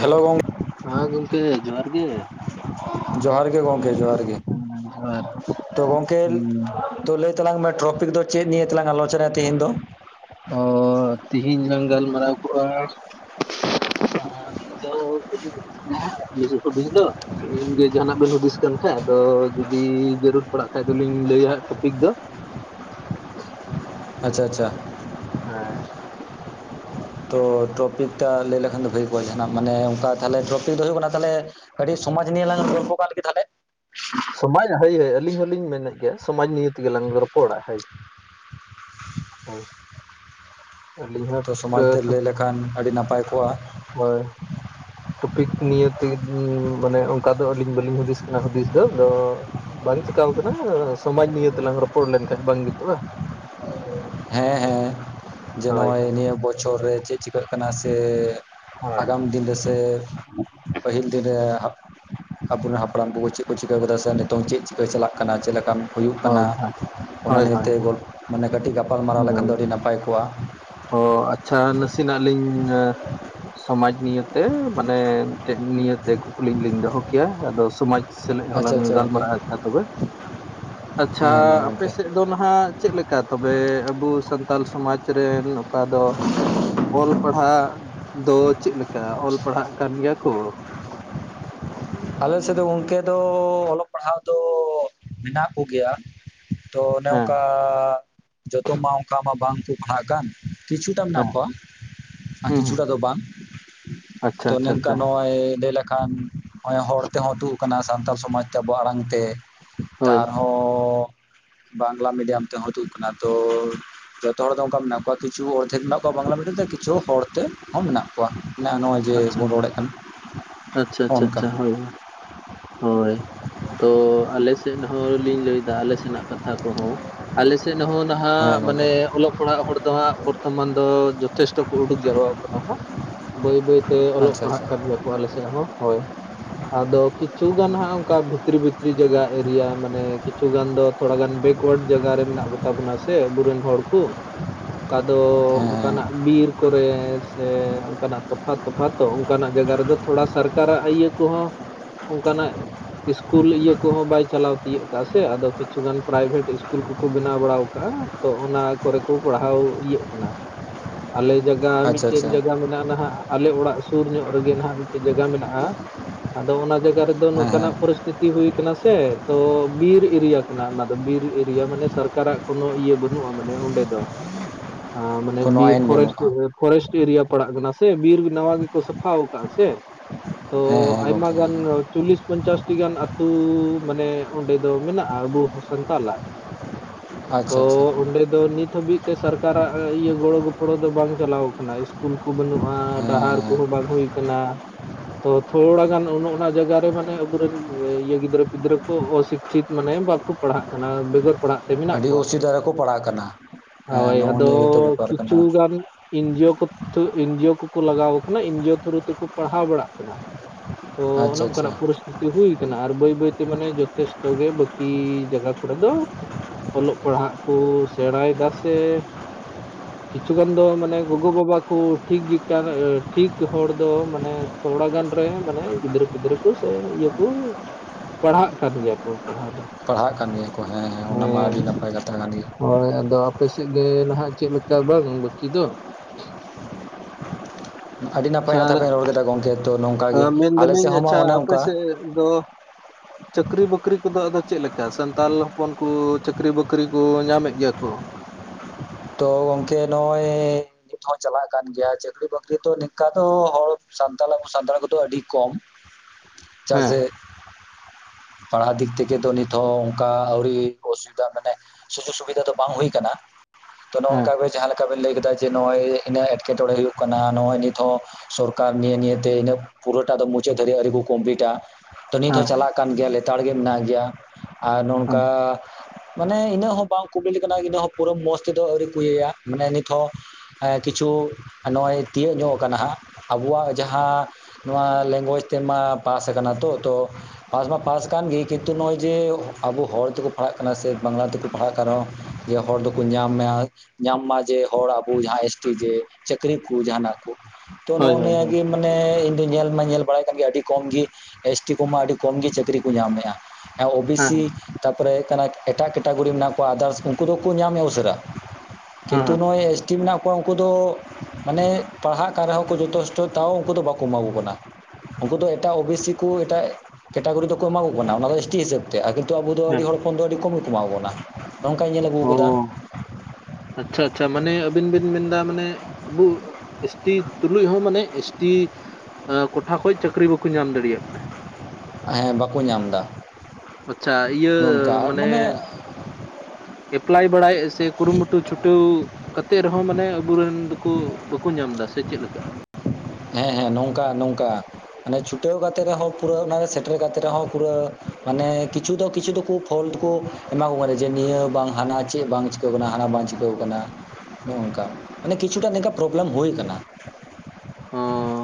Hello ᱜᱚᱝᱼᱼ ᱦᱚᱭ ᱜᱚᱢᱠᱮ ᱡᱚᱦᱟᱨ ᱜᱮ ᱡᱚᱦᱟᱨ ᱜᱮ ᱜᱚᱢᱠᱮ ᱡᱚᱦᱟᱨ ᱜᱮ ᱦᱮᱸ ᱡᱚᱦᱟᱨ ᱛᱚ ᱜᱚᱢᱠᱮ ᱦᱮᱸ ᱛᱚ ᱞᱟᱹᱭ ᱛᱟᱞᱟᱝ ᱢᱮ ᱴᱚᱯᱤᱠ ᱫᱚ ᱪᱮᱫ ᱱᱤᱭᱟᱹ ᱛᱮᱞᱟᱝ ᱟᱞᱳᱪᱚᱱᱟᱭᱟ ᱛᱤᱦᱮᱧ ᱫᱚ ᱟᱹᱻ ᱛᱮᱦᱮᱧ ᱞᱟᱝ ᱜᱟᱞᱢᱟᱨᱟᱣ ᱠᱚᱜᱼᱟ ᱟᱨ [unintelligible] ᱟᱹᱵᱤᱱ ᱜᱮ ᱡᱟᱦᱟᱱᱟᱜ ᱵᱮᱱ ᱦᱩᱫᱤᱥ ᱠᱟᱱ ᱠᱷᱟᱱ ᱟᱫᱚ ᱡᱩᱫᱤ ᱡᱟᱹᱨᱩᱲ ᱯᱟᱲᱟᱜ ᱠᱷᱟᱱ ᱫᱚᱞᱤᱧ ᱞᱟᱹᱭᱟ ᱦᱟᱸᱜ ᱴᱚᱯᱤᱠ ᱫᱚ ᱟᱪᱪᱷᱟ ᱟᱪᱪᱷᱟ ᱦᱮᱸ ᱛᱚ ᱴᱨᱚᱯᱤᱠ ᱴᱟᱜ ᱞᱟᱹᱭ ᱞᱮᱠᱷᱟᱱ ᱫᱚ ᱵᱷᱟᱹᱜᱤ ᱠᱚᱜᱼᱟ ᱡᱟᱦᱱᱟᱜ ᱢᱟᱱᱮ ᱚᱱᱠᱟ ᱛᱟᱦᱚᱞᱮ ᱴᱨᱚᱯᱤᱠ ᱫᱚ ᱦᱩᱭᱩᱜ ᱠᱟᱱᱟ ᱛᱟᱦᱚᱞᱮ ᱟᱹᱰᱤ ᱥᱚᱢᱟᱡᱽ ᱱᱤᱭᱮ ᱞᱟᱝ ᱜᱚᱞᱯᱷᱚᱠᱟᱜ ᱞᱮᱜᱮ ᱛᱟᱦᱞᱮ ᱥᱚᱢᱟᱡᱽ ᱦᱳᱭ ᱦᱳᱭ ᱟᱹᱞᱤᱧ ᱦᱚᱞᱤᱧ ᱢᱮᱱᱮᱫ ᱜᱮᱭᱟ ᱥᱚᱢᱟᱡᱽ ᱱᱤᱭ ᱛᱮᱜᱮᱞᱟᱝ ᱨᱚᱯᱚᱲᱟ ᱦᱳᱭ ᱦᱳᱭ ᱟᱹᱞᱤᱧ ᱦᱚᱸ ᱛᱚ ᱴᱚ ᱥᱚᱢᱟᱡᱽ ᱛᱮᱫ ᱴᱚᱯ ᱞᱟᱹᱭ ᱞᱮᱠᱷᱟᱱ ᱟᱹᱰᱤ ᱱᱟᱯᱟᱭ ᱠᱚᱜᱼᱟ ᱦᱳᱭ ᱴᱚᱯᱤᱠ ᱱᱤᱭᱮ ᱛᱮᱼᱼ ᱢᱟᱱᱮ ᱚᱱᱠᱟ ᱫᱚ ᱟᱹᱞᱤᱧ ᱵᱟᱹᱞᱤᱧ ᱦᱩᱫᱤᱥ ᱠᱟᱱᱟ ᱦᱩᱫᱤᱥ ᱫᱚ ᱟᱫᱚ ᱵᱟᱝ ᱪᱤᱠᱟᱣ ᱟᱠᱟᱱᱟ ᱥᱚᱢᱟᱡᱽ ᱱᱤᱭᱮ ᱛᱮᱞᱟᱝ ᱨᱚᱯᱚᱲ ᱞᱮᱱᱠᱷᱟᱡ ᱵᱟᱝ ᱡᱩᱛᱩᱜᱼᱟ ᱦᱮᱸ ᱦᱮᱸ ᱡᱮ ᱦᱳᱭ ᱦᱳᱭ ᱱᱚᱜᱼᱚᱭ ᱱᱤᱭᱟᱹ ᱵᱚᱪᱷᱚᱨ ᱨᱮ ᱪᱮᱫ ᱪᱤᱠᱟᱹᱜ ᱠᱟᱱᱟ ᱥᱮ ᱦᱳᱭ ᱟᱜᱟᱢ ᱫᱤᱱ ᱨᱮ ᱥᱮ ᱯᱟᱹᱦᱤᱞ ᱫᱤᱱᱨᱮ ᱟᱵᱚᱨᱮᱱ ᱦᱟᱯᱲᱟᱢ ᱠᱚ ᱪᱮᱫ ᱠᱚ ᱪᱤᱠᱟᱹᱣ ᱟᱠᱟᱫᱟ ᱥᱮ ᱱᱤᱛᱚᱝ ᱪᱮᱫ ᱪᱤᱠᱟᱹ ᱪᱟᱞᱟᱜ ᱠᱟᱱᱟ ᱪᱮᱫ ᱞᱮᱠᱟ ᱦᱩᱭᱩᱜ ᱦᱳᱭ ᱠᱟᱱᱟ ᱚᱱᱟ ᱦᱳᱭ ᱱᱤᱭᱮ ᱦᱳᱭ ᱛᱮ ᱢᱟᱱᱮ ᱠᱟᱹᱴᱤᱡ ᱜᱟᱯᱟᱞᱢᱟᱨᱟᱣ ᱞᱮᱠᱷᱟᱱ ᱫᱚ ᱟᱹᱰᱤ ᱱᱟᱯᱟᱭ ᱠᱚᱜᱼᱟ ᱚᱻ ᱟᱪᱪᱷᱟ ᱱᱟᱥᱮᱱᱟᱜ ᱞᱤᱧ ᱥᱚᱢᱟᱡᱽ ᱱᱤᱭᱮ ᱛᱮ ᱢᱟᱱᱮ ᱢᱤᱫᱴᱮᱱ ᱱᱤᱭᱟᱹᱛᱮ ᱠᱩᱠᱞᱤ ᱞᱤᱧ ᱫᱚᱦᱚ ᱠᱮᱭᱟ ᱟᱫᱚ ᱥᱚᱢᱟᱡᱽ ᱥᱮᱞᱮᱫ ᱟᱪᱪᱷᱟ ᱦᱚᱞᱟᱝ ᱟᱪᱪᱷᱟ ᱜᱚᱝᱠᱮ ᱜᱟᱞᱢᱟᱨᱟᱜᱼᱟ ᱛᱚᱵᱮ ᱟᱪᱪᱷᱟ ᱦᱮᱸ ᱢᱟ ᱟᱯᱮ ᱜᱚᱝᱠᱮ ᱥᱮᱫ ᱫᱚ ᱱᱷᱟᱜ ᱪᱮᱫ ᱞᱮᱠᱟ ᱛᱚᱵᱮ ᱟᱵᱩ ᱥᱟᱱᱛᱟᱞ ᱥᱚᱢᱟᱡᱽ ᱨᱮᱱ ᱚᱠᱟ ᱫᱚ ᱚᱞ ᱯᱟᱲᱦᱟᱜ ᱫᱚ ᱪᱮᱫ ᱞᱮᱠᱟ ᱚᱞ ᱯᱟᱲᱦᱟᱜ ᱠᱟᱱ ᱜᱮᱭᱟ ᱠᱚ ᱟᱞᱮᱥᱮᱫ ᱫᱚ ᱜᱚᱢᱠᱮ ᱫᱚ ᱚᱞᱚᱜ ᱯᱟᱲᱦᱟᱣ ᱫᱚ ᱢᱮᱱᱟᱜ ᱠᱚᱜᱮᱭᱟ ᱛᱚ ᱚᱱᱮ ᱦᱮᱸ ᱚᱱᱠᱟ ᱡᱚᱛᱚ ᱢᱟ ᱚᱱᱠᱟ ᱢᱟ ᱵᱟᱝ ᱠᱚ ᱯᱟᱲᱦᱟᱜ ᱠᱟᱱ ᱠᱤᱪᱷᱩᱴᱟ ᱢᱮᱱᱟᱜ ᱦᱮᱸ ᱠᱚᱣᱟ ᱟᱨ ᱦᱩᱸ ᱦᱩᱸ ᱠᱤᱪᱷᱩᱴᱟ ᱫᱚ ᱵᱟᱝ ᱟᱪᱪᱷᱟ ᱛᱚ ᱟᱪᱪᱷᱟ ᱱᱮᱱᱠᱟ ᱟᱪᱪᱷᱟ ᱱᱚᱜᱼᱚᱭ ᱞᱟᱹᱭ ᱞᱮᱠᱷᱟᱱ ᱱᱚᱜᱼᱚᱭ ᱦᱚᱲ ᱛᱮᱦᱚᱸ ᱫᱳᱜ ᱟᱠᱟᱱᱟ ᱥᱟᱱᱛᱟᱞ ᱥᱚᱢᱟᱡᱽ ᱛᱮ ᱟᱵᱳᱣᱟᱜ ᱟᱲᱟᱝ ᱛᱮ ᱛᱟᱨᱮᱦᱚᱸ [inaudible] ᱵᱟᱝᱞᱟ ᱢᱤᱰᱤᱭᱟᱢ ᱛᱮᱦᱚᱸ [unintelligible] ᱠᱟᱱᱟ ᱛᱚ ᱡᱚᱛᱚ ᱦᱚᱲ ᱫᱚ ᱚᱱᱠᱟ ᱢᱮᱱᱟᱜ ᱠᱚᱣᱟ ᱠᱤᱪᱷᱩ ᱚᱨᱫᱷᱮᱠ ᱢᱮᱱᱟᱜ ᱠᱚᱣᱟ ᱵᱟᱝᱞᱟ ᱢᱤᱰᱤᱭᱟᱢ ᱛᱮ ᱠᱤᱪᱷᱩ ᱦᱚᱲ ᱛᱮᱦᱚᱸ ᱢᱮᱱᱟᱜ ᱠᱚᱣᱟ ᱢᱮᱱᱟᱜᱼᱟ ᱱᱚᱜᱼᱚᱭ ᱡᱮ ᱟᱪᱪᱷᱟ ᱵᱚᱱ ᱨᱚᱲᱮᱫ ᱠᱟᱱ ᱟᱪᱪᱷᱟ ᱦᱚᱸᱜ ᱟᱪᱪᱷᱟ ᱱᱚᱝᱠᱟ᱾ ᱟᱪᱪᱷᱟ ᱦᱳᱭ ᱦᱳᱭ ᱛᱚ ᱟᱞᱮ ᱥᱮᱫ ᱦᱚᱸᱞᱤᱧ ᱞᱟᱹᱭ ᱮᱫᱟ ᱟᱞᱮ ᱥᱮᱱᱟᱜ ᱠᱟᱛᱷᱟ ᱠᱚᱦᱚᱸ ᱟᱞᱮ ᱥᱮᱱ ᱦᱚᱸ ᱱᱟᱦᱟᱜ ᱦᱮᱸ ᱜᱚᱝᱠᱮ ᱢᱟᱱᱮ ᱚᱞᱚᱜ ᱚᱲᱟᱜ ᱦᱚᱲ ᱫᱚ ᱦᱟᱸᱜ ᱵᱚᱨᱛᱚᱢᱟᱱ ᱫᱚ ᱡᱚᱛᱷᱮᱥᱴᱚ ᱠᱚ ᱩᱰᱩᱠ ᱡᱟᱨᱣᱟ ᱟᱠᱟᱱᱟ ᱦᱟᱸᱜ ᱵᱟᱹᱭ ᱵᱟᱹᱭᱛᱮ ᱚᱞᱚᱜ ᱟᱪᱪᱷᱟ ᱯᱟᱲᱦᱟᱜ ᱟᱪᱪᱷᱟ ᱠᱟᱱ ᱜᱮᱭᱟ ᱠᱚ ᱟᱞᱮ ᱥᱮᱫ ᱦᱚᱸ ᱦᱳᱭ ᱟᱫᱚ ᱠᱤᱪᱷᱩᱜᱟᱱ ᱦᱟᱸᱜ ᱚᱱᱠᱟ ᱵᱷᱤᱛᱨᱤ ᱵᱷᱤᱛᱨᱤ ᱡᱟᱭᱜᱟ ᱮᱨᱤᱭᱟ ᱢᱟᱱᱮ ᱠᱤᱪᱷᱩ ᱜᱟᱱ ᱫᱚ ᱛᱷᱚᱲᱟ ᱜᱟᱱ ᱵᱮᱠᱳᱣᱟᱨᱰ ᱡᱟᱭᱜᱟ ᱨᱮ ᱢᱮᱱᱟᱜ ᱠᱚ ᱛᱟᱵᱚᱱᱟ ᱥᱮ ᱟᱵᱚᱨᱮᱱ ᱦᱚᱲ ᱠᱚ ᱚᱠᱟ ᱫᱚ ᱦᱮᱸ ᱦᱮᱸ ᱚᱱᱠᱟᱱᱟᱜ ᱵᱤᱨ ᱠᱚᱨᱮ ᱥᱮ ᱚᱱᱠᱟᱱᱟᱜ ᱛᱚᱯᱷᱟ ᱛᱚᱯᱷᱟᱛ ᱛᱚ ᱚᱱᱠᱟᱱᱟᱜ ᱡᱟᱭᱜᱟ ᱨᱮᱫᱚ ᱛᱷᱚᱲᱟ ᱥᱚᱨᱠᱟᱨᱟᱜ ᱤᱭᱟᱹ ᱠᱚᱦᱚᱸ ᱚᱱᱠᱟᱱᱟᱜ ᱤᱥᱠᱩᱞ ᱤᱭᱟᱹ ᱠᱚᱦᱚᱸ ᱵᱟᱭ ᱪᱟᱞᱟᱣ ᱛᱤᱭᱟᱹᱜ ᱠᱟᱜᱼᱟ ᱥᱮ ᱟᱫᱚ ᱠᱤᱪᱷᱩ ᱜᱟᱱ ᱯᱨᱟᱭᱵᱷᱮᱴ ᱤᱥᱠᱩᱞ ᱠᱚᱠᱚ ᱵᱮᱱᱟᱣ ᱵᱟᱲᱟᱣ ᱠᱟᱜᱼᱟ᱾ ᱛᱚ ᱚᱱᱟ ᱠᱚᱨᱮ ᱠᱚ ᱯᱟᱲᱦᱟᱣ ᱤᱭᱟᱹᱜ ᱠᱟᱱᱟ ᱟᱞᱮ ᱡᱟᱜᱟ ᱟᱪᱪᱷᱟ ᱢᱤᱫᱴᱮᱱ ᱟᱪᱪᱷᱟ ᱡᱟᱜᱟ ᱢᱮᱱᱟᱜᱼᱟ ᱱᱟᱦᱟᱜ ᱟᱞᱮ ᱚᱲᱟᱜ ᱥᱩᱨ ᱧᱚᱜ ᱨᱮᱜᱮ ᱱᱟᱜ ᱢᱤᱫᱴᱮᱡ ᱡᱟᱭᱜᱟ ᱢᱮᱱᱟᱜᱼᱟ ᱟᱫᱚ ᱚᱱᱟ ᱡᱟᱜ ᱜᱟ ᱨᱮᱫᱚ ᱦᱮᱸ ᱦᱮᱸ ᱱᱚᱝᱠᱟᱱᱟᱜ ᱯᱚᱨᱤᱥᱛᱤᱛᱤ ᱦᱩᱭ ᱟᱠᱟᱱᱟ ᱥᱮ ᱛᱚ ᱵᱤᱨ ᱮᱨᱤᱭᱟ ᱠᱟᱱᱟ ᱚᱱᱟ ᱫᱚ ᱵᱤᱨ ᱮᱨᱤᱭᱟ ᱢᱟᱱᱮ ᱥᱚᱨᱠᱟᱨᱟᱜ ᱠᱳᱱᱳ ᱤᱭᱟᱹ ᱵᱟᱹᱱᱩᱜᱼᱟ ᱢᱟᱱᱮ ᱚᱸᱰᱮ ᱫᱚ ᱢᱟᱱᱮ ᱠᱳᱱᱳ ᱵᱤᱨ ᱟᱭᱤᱱ ᱯᱷᱚᱨᱮᱥᱴ ᱵᱟᱹᱱᱩᱜᱼᱟ ᱯᱷᱚᱨᱮᱥᱴ ᱮᱨᱤᱭᱟ ᱯᱟᱲᱟᱜ ᱠᱟᱱᱟ ᱥᱮ ᱵᱤᱨ ᱱᱟᱣᱟ ᱜᱮᱠᱚ ᱥᱟᱯᱷᱟᱣ ᱠᱟᱜᱼᱟ ᱥᱮ ᱛᱚ ᱦᱮᱸ ᱦᱮᱸ ᱟᱭᱢᱟ ᱜᱚᱝᱠᱮ ᱜᱟᱱ ᱦᱮᱸ ᱪᱚᱞᱞᱤᱥ ᱯᱚᱧᱪᱟᱥᱴᱤ ᱜᱟᱱ ᱟᱹᱛᱩ ᱢᱟᱱᱮ ᱚᱸᱰᱮ ᱫᱚ ᱢᱮᱱᱟᱜᱼᱟ ᱟᱵᱚ ᱥᱟᱱᱛᱟᱞᱟᱜ᱾ ᱛᱚ ᱟᱪᱪᱷᱟ ᱟᱪᱪᱷᱟ ᱚᱸᱰᱮ ᱫᱚ ᱱᱤᱛ ᱦᱟᱹᱵᱤᱡᱽ ᱛᱮ ᱥᱟᱨᱠᱟᱨᱟᱜ ᱤᱭᱟᱹ ᱜᱚᱲᱚ ᱜᱚᱯᱚᱲᱚ ᱫᱚ ᱵᱟᱝ ᱪᱟᱞᱟᱣ ᱠᱟᱱᱟ ᱤᱥᱠᱩᱞ ᱠᱚ ᱵᱟᱹᱱᱩᱜᱼᱟ ᱦᱮᱸ ᱰᱟᱦᱟᱨ ᱦᱮᱸ ᱠᱩᱦᱚᱸ ᱵᱟᱝ ᱦᱩᱭ ᱠᱟᱱᱟ ᱛᱚ ᱛᱷᱚᱲᱟ ᱜᱟᱱ ᱚᱱ ᱩᱱᱟ ᱡᱟᱜᱟ ᱟᱹ ᱢᱟᱱᱮ ᱟᱵᱩ ᱨᱮᱱ ᱤᱭᱟᱹ ᱜᱤᱫᱽᱨᱟᱹ ᱯᱤᱫᱽᱨᱟᱹ ᱠᱚ ᱚᱥᱤᱠᱷᱤᱛ ᱢᱟᱱᱮ ᱵᱟᱠᱚ ᱯᱟᱲᱦᱟᱜ ᱠᱟᱱᱟ ᱵᱮᱜᱚᱨ ᱯᱟᱲᱦᱟᱜ ᱛᱮ ᱢᱮᱱᱟᱜ ᱟᱹᱰᱤ ᱠᱚᱣᱟ ᱚᱥᱩᱵᱤᱫᱟ ᱨᱮᱠᱚ ᱯᱟᱲᱟᱜ ᱠᱟᱱᱟ ᱦᱮᱸ ᱳᱭ ᱱᱚᱜᱼᱚ ᱱᱤᱭᱟᱹ ᱜᱮᱛᱚ ᱟᱫᱚ ᱵᱮᱯᱟᱨ ᱠᱤᱪᱷᱩ ᱠᱟᱱᱟ ᱜᱟᱱ ᱮᱱᱡᱤᱭᱳ ᱠᱚ ᱛᱷᱚ ᱮᱱᱡᱤᱭᱳ ᱠᱚᱠᱚ ᱞᱟᱜᱟᱣ ᱠᱟᱱᱟ ᱮᱱᱡᱤᱭᱳ ᱛᱷᱨᱩ ᱛᱮᱠᱩ ᱯᱟᱲᱦᱟᱣ ᱵᱟᱲᱟᱜ ᱠᱟᱱᱟ᱾ ᱛᱚ ᱚᱱᱮ ᱟᱪᱪᱷᱟ ᱟᱪᱪᱷᱟ ᱚᱝᱠᱟᱱᱟᱜ ᱯᱚᱥᱛᱷᱤᱛᱤ ᱦᱩᱭ ᱠᱟᱱᱟ ᱟᱨ ᱵᱟᱹᱭ ᱵᱟᱹᱭ ᱛᱮ ᱢᱟᱱᱮ ᱡᱚᱛᱷᱮᱥᱴᱚ ᱜᱮ ᱵᱟᱹᱠᱤ ᱡᱟᱜᱟ ᱠᱚᱨᱮ ᱫᱚ ᱚᱞᱚᱜ ᱯᱟᱲᱦᱟᱜ ᱠᱚ ᱥᱮᱬᱟᱭ ᱫᱟ ᱥᱮ ᱠᱤᱪᱷᱩ ᱜᱟᱱ ᱫᱚ ᱢᱟᱱᱮ ᱜᱚᱜᱚ ᱵᱟᱵᱟ ᱠᱚ ᱴᱷᱤᱠ ᱜᱤ ᱠᱟ ᱟᱹ ᱴᱷᱤᱠ ᱦᱚᱲ ᱫᱚ ᱢᱟᱱᱮ ᱛᱷᱚᱲᱟ ᱜᱟᱱ ᱨᱮ ᱢᱟᱱᱮ ᱜᱤᱫᱽᱨᱟᱹ ᱯᱤᱫᱽᱨᱟᱹ ᱠᱩ ᱥᱮ ᱤᱭᱟᱹ ᱠᱚ ᱯᱟᱲᱦᱟᱜ ᱠᱟᱱ ᱜᱮᱭᱟ ᱠᱚ ᱯᱟᱲᱦᱟᱣ ᱫᱚ ᱯᱟᱲᱦᱟᱜ ᱠᱟᱱ ᱜᱮᱭᱟ ᱠᱚ ᱦᱮᱸ ᱦᱮᱸ ᱚᱱᱟ ᱢᱟ ᱟᱹᱰᱤ ᱱᱟᱯᱟᱭ ᱠᱟᱛᱷᱟ ᱠᱟᱱ ᱜᱮᱭᱟ᱾ ᱦᱳᱭ ᱟᱫᱚ ᱟᱯᱮ ᱥᱮᱜ ᱜᱮ ᱱᱟᱦᱟᱸᱜ ᱪᱮᱫ ᱞᱮᱠᱟ ᱵᱟᱝ ᱵᱟᱹᱠᱤ ᱫᱚ ᱟᱹᱰᱤ ᱱᱟᱯᱟᱭ ᱟᱪᱪᱷᱟ ᱠᱟᱛᱷᱟ ᱵᱮᱱ ᱨᱚᱲ ᱠᱮᱫᱟ ᱜᱚᱝᱠᱮ ᱛᱚ ᱱᱚᱝᱠᱟ ᱜᱮ ᱟᱞᱮ ᱢᱮᱱᱫᱟᱞᱤᱧ ᱥᱮᱫ ᱦᱚᱸ ᱢᱟ ᱟᱪᱪᱷᱟ ᱚᱱᱮ ᱟᱯᱮ ᱚᱱᱠᱟ ᱥᱮᱜ ᱫᱚ ᱪᱟᱹᱠᱨᱤ ᱵᱟᱹᱠᱨᱤ ᱠᱚᱫᱚ ᱟᱫᱚ ᱪᱮᱫ ᱞᱮᱠᱟ ᱥᱟᱱᱛᱟᱞ ᱦᱚᱯᱚᱱ ᱠᱚ ᱪᱟᱹᱠᱨᱤ ᱵᱟᱹᱠᱨᱤ ᱠᱚ ᱧᱟᱢᱮᱜ ᱜᱮᱭᱟ ᱠᱚ ᱛᱚ ᱜᱚᱝᱠᱮ ᱱᱚᱜᱼᱚᱭ ᱱᱤᱛ ᱦᱚᱸ ᱪᱟᱞᱟᱜ ᱠᱟᱱ ᱜᱮᱭᱟ ᱪᱟᱹᱠᱨᱤ ᱵᱟᱹᱠᱨᱤ ᱫᱚ ᱱᱤᱝᱠᱟ ᱫᱚ ᱦᱚᱲ ᱥᱟᱱᱛᱟᱲ ᱟᱵᱚ ᱥᱟᱱᱛᱟᱲ ᱠᱚᱫᱚ ᱟᱹᱰᱤ ᱠᱚᱢ ᱪᱟ ᱦᱮᱸ, ᱡᱮᱜ [inaudible] ᱯᱟᱲᱦᱟᱜ ᱫᱤᱠ ᱛᱷᱮᱠᱮ ᱫᱚ ᱱᱤᱛ ᱦᱚᱸ ᱚᱝᱠᱟ ᱟᱣᱲᱤ ᱚᱥᱩᱵᱤᱛᱟ ᱢᱟᱱᱮ ᱥᱩᱡᱳᱜᱽ ᱥᱩᱵᱤᱫᱷᱟ ᱫᱚ ᱵᱟᱝ ᱦᱩᱭ ᱠᱟᱱᱟ᱾ ᱛᱚ ᱱᱚᱜ ᱦᱮᱸ, ᱱᱚᱝᱠᱟ ᱵᱮ ᱡᱟᱦᱟᱸ ᱞᱮᱠᱟ ᱵᱮᱱ ᱞᱟᱹᱭ ᱠᱮᱫᱟ ᱡᱮ ᱱᱚᱜᱼᱚᱭ ᱤᱭᱟᱹ ᱤᱱᱟᱹᱜ ᱮᱴᱠᱮᱴᱚᱬᱮ ᱦᱩᱭᱩᱜ ᱠᱟᱱᱟ ᱱᱚᱭ ᱱᱤᱛ ᱦᱚᱸ ᱥᱚᱨᱠᱟᱨ ᱱᱤᱭᱟᱹ ᱱᱤᱭᱟᱹ ᱛᱮ ᱤᱱᱟᱹᱜ ᱯᱩᱨᱟᱹᱴᱟ ᱫᱚ ᱢᱩᱪᱟᱹᱫ ᱫᱷᱟᱹᱨᱤᱜ ᱟᱹᱣᱨᱤ ᱠᱚ ᱠᱚᱢᱯᱞᱤᱴᱟ ᱛᱚ ᱱᱤᱛ ᱦᱚᱸ ᱦᱮᱸ, ᱪᱟᱞᱟᱜ ᱠᱟᱱ ᱜᱮᱭᱟ ᱞᱮᱛᱟᱲ ᱜᱮ ᱢᱮᱱᱟᱜ ᱜᱮᱭᱟ ᱟᱨ ᱦᱮᱸ, ᱱᱚᱝᱠᱟ ᱢᱟᱱᱮ ᱤᱱᱟᱹᱜ ᱦᱚᱸ ᱵᱟᱝ ᱠᱩᱠᱞᱤ ᱠᱟᱱᱟ ᱤᱱᱟᱹ ᱦᱚᱸ ᱯᱩᱨᱟᱹ ᱢᱚᱸᱥ ᱛᱮᱫᱚ ᱟᱹᱣᱨᱤ ᱠᱚ ᱤᱭᱟᱭᱟ ᱢᱟᱱᱮ ᱱᱤᱛ ᱦᱚᱸ ᱦᱮᱸ ᱠᱤᱪᱷᱩ ᱱᱚᱜ-ᱚᱭ ᱛᱤᱭᱟᱜ ᱧᱚᱜ ᱠᱟᱱᱟ ᱦᱟᱸᱜ ᱟᱵᱚᱣᱟᱜ ᱡᱟᱦᱟᱸ ᱱᱚᱣᱟ ᱞᱮᱝᱜᱩᱭᱮᱡᱽ ᱛᱮᱢᱟ ᱯᱟᱥ ᱠᱟᱱᱟ ᱛᱚ, ᱛᱚ ᱯᱟᱥ ᱢᱟ ᱯᱟᱥ ᱠᱟᱱ ᱜᱤ ᱠᱤᱱᱛᱩ ᱱᱚᱼᱚᱭ ᱡᱮ ᱟᱵᱚ ᱦᱚᱲ ᱛᱮᱠᱚ ᱯᱟᱲᱦᱟᱜ ᱠᱟᱱᱟ ᱥᱮ ᱵᱟᱝᱞᱟ ᱛᱮᱠᱚ ᱯᱟᱲᱦᱟᱜ ᱠᱟᱱ ᱨᱮᱦᱚᱸ ᱡᱮ ᱦᱚᱲ ᱫᱚᱠᱚ ᱧᱟᱢᱭᱟ ᱧᱟᱢ ᱢᱟ ᱡᱮ ᱦᱚᱲ ᱟᱵᱚ ᱡᱟᱦᱟᱸ ᱮᱥ ᱴᱤ ᱡᱮ ᱪᱟᱹᱠᱨᱤ ᱠᱩ ᱡᱟᱦᱟᱱᱟᱜ ᱠᱩ ᱛᱚ ᱦᱳᱭ, ᱱᱚᱜ-ᱚ ᱦᱳᱭ, ᱱᱤᱭᱟᱹ ᱦᱳᱭ, ᱜᱤ᱾ ᱢᱟᱱᱮ ᱤᱧ ᱫᱚ ᱧᱮᱞ ᱢᱟᱧ ᱧᱮᱞ ᱵᱟᱲᱟᱭ ᱠᱟᱱ ᱜᱮ ᱟᱹᱰᱤ ᱠᱚᱢ ᱜᱤ ᱮᱥ ᱴᱤ ᱠᱚᱢᱟ ᱟᱹᱰᱤ ᱠᱚᱢ ᱜᱤ ᱪᱟᱹᱠᱨᱤ ᱠᱩ ᱧᱟᱢᱮᱜᱼᱟ᱾ ᱳ ᱵᱤ ᱦᱮᱸ, ᱥᱤ ᱛᱟ ᱯᱚᱨᱮ ᱦᱩᱭᱩᱜ ᱠᱟᱱᱟ ᱮᱴᱟᱜ ᱠᱮᱴᱟᱜᱚᱨᱤ ᱢᱮᱱᱟᱜ ᱠᱚᱣᱟ ᱟᱫᱟᱨᱥ ᱩᱱᱠᱩ ᱫᱚᱠᱩ ᱧᱟᱢᱮᱜ-ᱟ ᱩᱥᱟᱹᱨᱟ᱾ ᱠᱤᱱᱛᱩ ᱦᱮᱸ, ᱱᱚᱼᱚᱭ᱾ ᱴᱤ ᱢᱮᱱᱟᱜ ᱠᱚᱣᱟ ᱩᱱᱠᱩ ᱫᱚ ᱢᱟᱱᱮ ᱯᱟᱲᱦᱟᱜ ᱠᱟᱱ ᱨᱮᱦᱚᱸ ᱠᱚ ᱡᱚᱛᱷᱮᱥᱴᱚ ᱛᱟᱣ ᱩᱱᱠᱩ ᱫᱚ ᱵᱟᱠᱚ ᱮᱢᱟ ᱠᱚ ᱠᱟᱱᱟ᱾ ᱩᱱᱠᱩ ᱫᱚ ᱮᱴᱟᱜ ᱳ ᱵᱤ ᱥᱤ ᱠᱩ ᱮᱴᱟᱜ ᱠᱮᱴᱟᱜᱚᱨᱤ ᱫᱚᱠᱚ ᱮᱢᱟ ᱠᱚ ᱠᱟᱱᱟ ᱚᱱᱟ ᱫᱚ ᱮᱥ ᱴᱤ ᱦᱤᱥᱟᱹᱵᱽ᱾ ᱛᱮ ᱟᱜᱮᱛᱚ ᱟᱵᱚ ᱫᱚ ᱦᱮᱸ, ᱟᱹᱰᱤ ᱦᱮᱸ, ᱦᱚᱲ ᱦᱚᱯᱚᱱ ᱫᱚ ᱟᱹᱰᱤ ᱠᱚᱢ ᱠᱚ ᱮᱢᱟ ᱵᱚᱱᱟ ᱱᱚᱜ ᱚᱝᱠᱟᱭ ᱧᱮᱞ ᱟᱹᱜᱩᱣ ᱠᱟᱫᱟ᱾ ᱚ ᱟᱪᱪᱷᱟ ᱟᱪᱪᱷᱟ ᱢᱟᱱᱮ ᱟᱵᱤᱱ- ᱤᱢ ᱵᱮᱱ ᱢᱮᱱ ᱫᱟ ᱢᱟᱱᱮ ᱟᱵᱩᱜ ᱮᱥᱴᱤ ᱛᱩᱞᱩᱡ ᱦᱚᱸ ᱢᱟᱱᱮ ᱮᱥᱴᱤ- ᱟ. ᱠᱚᱴᱷᱟ ᱠᱷᱚᱡ ᱪᱟᱹᱠᱨᱤ ᱵᱟᱹᱠᱩ ᱧᱟᱢ ᱫᱟᱹᱲᱤᱭᱟᱹᱜ ᱠᱟᱱᱟ᱾ ᱦᱮᱸ ᱵᱟᱠᱚ ᱧᱟᱢ ᱮᱫᱟ ᱟᱪᱪᱷᱟ ᱤᱭᱟᱹ ᱢᱟᱱᱮ- ᱮᱯᱞᱟᱭ ᱵᱟᱲᱟᱭᱮᱜ ᱥᱮ ᱠᱩᱨᱩᱢᱩᱴᱩ ᱪᱷᱩᱴᱟᱹᱣ- ᱠᱟᱛᱮᱜ ᱨᱮᱦᱚᱸ ᱢᱟᱱᱮ ᱟᱵᱩ ᱨᱮᱱ ᱫᱩᱠᱩ ᱵᱟᱹᱠᱩ ᱧᱟᱢ ᱫᱟ ᱥᱮ ᱪᱮᱜ ᱞᱮᱠᱟ᱾ ᱦᱮᱸ ᱦᱮᱸ ᱱᱚᱝᱠᱟ ᱱᱚᱝᱠᱟ᱾ ᱢᱟᱱᱮ ᱪᱷᱩᱴᱟᱹᱣ ᱠᱟᱛᱮᱜ ᱨᱮᱦᱚᱸ ᱯᱩᱨᱟᱹ ᱚᱱᱟ ᱥᱮᱴᱮᱨ ᱠᱟᱛᱮᱜ ᱨᱮᱦᱚᱸ ᱯᱩᱨᱟᱹ ᱢᱟᱱᱮ ᱠᱤᱪᱷᱩ ᱫᱚ ᱠᱤᱪᱷᱩ ᱫᱚᱠᱩ- ᱯᱷᱚᱞᱰ ᱫᱚᱠᱩ ᱮᱢᱟ ᱠᱚ [unintelligible] ᱠᱚ ᱜᱮᱭᱟ ᱡᱮ ᱱᱤᱭᱟᱹ ᱵᱟᱝ ᱦᱟᱱᱟ ᱪᱮᱫ ᱵᱟᱝ ᱪᱤᱠᱟᱹᱣ ᱠᱟᱱᱟ ᱦᱟᱱᱟ ᱵᱟᱝ ᱪᱤᱠᱟᱹᱣ ᱠᱟᱱᱟ᱾ ᱚᱜ ᱚᱝᱠᱟ ᱢᱟᱱᱮ ᱠᱤᱪᱷᱩᱴᱟ ᱱᱤᱝᱠᱟ ᱯᱨᱚᱵᱞᱮᱢ ᱦᱩᱭ ᱠᱟᱱᱟ᱾ ᱚ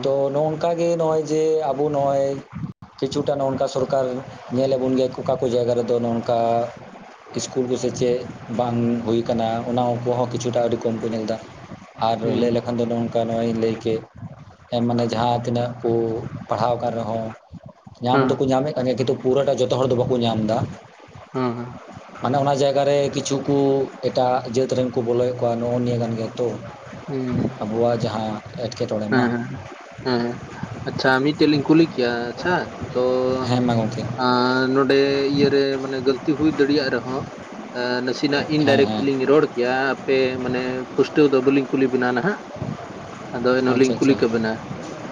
ᱛᱚ ᱱᱚᱚᱝᱠᱟ ᱜᱮ ᱱᱚᱜᱼᱚᱭ ᱡᱮ ᱟᱵᱚ ᱱᱚᱜᱼᱚᱭ ᱠᱤᱪᱷᱩᱴᱟ ᱱᱚᱝᱠᱟ ᱥᱚᱨᱠᱟᱨ- ᱧᱮ ᱞᱮᱜ ᱵᱩᱱ ᱜᱤᱭᱟ ᱠᱚᱠᱟ ᱠᱩ ᱡᱟᱭᱜᱟ ᱨᱮᱫᱚ ᱱᱚᱜ ᱚ ᱱᱚᱝᱠᱟ- ᱤᱥᱠᱩᱞ ᱠᱚᱥᱮ ᱪᱮᱫ ᱵᱟᱝ ᱦᱩᱭ ᱠᱟᱱᱟ ᱚᱱᱟ ᱠᱚᱦᱚᱸ ᱠᱤᱪᱷᱩᱴᱟᱜ ᱟᱹᱰᱤ ᱠᱚᱢ ᱠᱚ ᱧᱮᱞ ᱮᱫᱟ ᱟᱨ ᱞᱟᱹᱭ ᱦᱩᱸ, ᱦᱮᱸ, ᱞᱮᱠᱷᱟᱱ ᱫᱚ ᱱᱚᱝᱠᱟ ᱱᱚᱜᱼᱚᱭᱤᱧ ᱞᱟᱹᱭ ᱠᱮᱫ ᱮᱸ ᱢᱟᱱᱮ ᱡᱟᱦᱟᱸ ᱛᱤᱱᱟᱹᱜ ᱠᱩ ᱯᱟᱲᱦᱟᱣ ᱠᱟᱱ ᱨᱮᱦᱚᱸ ᱧᱟᱢ ᱫᱚᱠᱚ ᱦᱮᱸ, ᱧᱟᱢᱮᱫ ᱠᱟᱱ ᱜᱮᱭᱟ ᱠᱤᱱᱛᱩ ᱯᱩᱨᱟᱹᱴᱟᱜ ᱡᱚᱛᱚ ᱦᱚᱲ ᱫᱚ ᱵᱟᱠᱩ ᱧᱟᱢ ᱫᱟ᱾ ᱦᱩᱸ ᱦᱩᱸ ᱢᱟᱱᱮ ᱚᱱᱟ ᱡᱟᱭᱜᱟᱨᱮ ᱠᱤᱪᱷᱩ ᱠᱩ ᱮᱴᱟᱜ ᱡᱟᱹᱛ ᱨᱮᱱ ᱠᱚ ᱵᱚᱞᱚᱭᱮᱫ ᱠᱚᱣᱟ ᱱᱚᱜᱼᱚ ᱱᱤᱭᱟᱹ ᱠᱟᱱ ᱜᱮᱭᱟ ᱛᱚ ᱦᱩᱸ, ᱦᱮᱸ, ᱟᱵᱚᱣᱟᱜ ᱡᱟᱦᱟᱸ ᱮᱸᱴᱠᱮᱴᱚᱸᱬᱮ ᱢᱟ ᱦᱮᱸ, ᱦᱮᱸ ᱟᱪᱪᱷᱟ ᱢᱤᱫᱴᱮᱡ ᱞᱤᱧ ᱠᱩᱞᱤ ᱠᱮᱭᱟ ᱟᱪᱪᱷᱟ ᱛᱚ ᱦᱮᱸ ᱢᱟ ᱜᱚᱢᱠᱮ ᱟᱸ ᱱᱚᱸᱰᱮ ᱤᱭᱟᱹᱨᱮ ᱢᱟᱱᱮ ᱜᱟᱹᱞᱛᱤ ᱦᱩᱭ ᱫᱟᱲᱤᱭᱟᱜ ᱨᱮᱦᱚᱸ ᱱᱟᱥᱤᱱᱟᱜ ᱦᱮᱸ ᱦᱮᱸ ᱤᱱᱰᱟᱭᱨᱮᱠᱴᱞᱤᱧ ᱨᱚᱲ ᱠᱮᱭᱟ ᱟᱯᱮ ᱢᱟᱱᱮ ᱯᱩᱥᱴᱟᱹᱣ ᱫᱚ ᱵᱟᱹᱞᱤᱧ ᱠᱩᱞᱤ ᱵᱮᱱᱟ ᱱᱟᱦᱟᱜ ᱟᱫᱚ ᱮᱱᱦᱚᱸᱞᱤᱧ ᱟᱪᱪᱷᱟ ᱠᱩᱞᱤ ᱟᱪᱪᱷᱟ ᱠᱮᱵᱮᱱᱟ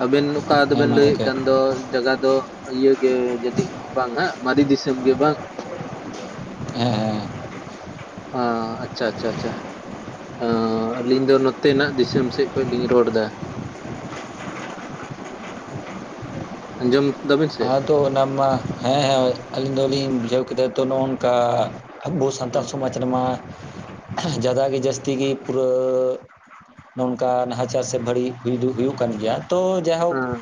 ᱟᱵᱮᱱ ᱚᱠᱟ ᱦᱮᱸ ᱫᱚᱵᱮᱱ ᱢᱟ ᱞᱟᱹᱭᱮᱫ ᱜᱚᱢᱠᱮ ᱠᱟᱱ ᱫᱚ ᱡᱟᱫᱟ ᱫᱚ ᱤᱭᱟᱹ ᱜᱮ ᱡᱟᱹᱱᱤᱡ ᱵᱟᱝ ᱦᱟᱜ ᱢᱟᱨᱤ ᱫᱤᱥᱟᱹᱢ ᱜᱮ ᱵᱟᱝ ᱦᱮᱸ ᱦᱮᱸ ᱚᱻ ᱟᱪᱼᱪᱷᱟ ᱟᱪᱪᱷᱟ ᱟᱪᱪᱷᱟ ᱟᱹᱞᱤᱧ ᱫᱚ ᱱᱚᱛᱮᱱᱟᱜ ᱫᱤᱥᱚᱢ ᱥᱮᱫ ᱠᱷᱚᱡ ᱞᱤᱧ ᱨᱚᱲ ᱫᱟ ᱟᱸᱡᱚᱢ ᱫᱟᱵᱤᱱ ᱥᱮ ᱛᱚ ᱚᱱᱟ ᱢᱟ ᱦᱮᱸ ᱦᱮᱸ ᱟᱹᱞᱤᱧ ᱫᱚᱞᱤᱧ ᱵᱩᱡᱷᱟᱹᱣ ᱠᱮᱫᱟ ᱛᱚ ᱱᱚᱱᱠᱟ ᱟᱵᱩ ᱥᱟᱱᱛᱟᱲ ᱦᱮᱸ ᱥᱚᱢᱟᱡᱽ ᱨᱮᱢᱟ ᱡᱟᱫᱟ ᱜᱮ ᱡᱟᱹᱥᱛᱤ ᱜᱤ ᱯᱩᱨᱟᱹ ᱱᱚᱝᱠᱟ ᱱᱟᱦᱟᱪᱟᱨ ᱥᱮ ᱵᱷᱟᱹᱲᱤᱡ ᱦᱩᱭ ᱫᱚ ᱦᱩᱭᱩᱜ ᱠᱟᱱ ᱜᱮᱭᱟ ᱛᱚ ᱡᱟᱭᱦᱳᱠ ᱦᱮᱸ